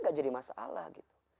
gak jadi masalah gitu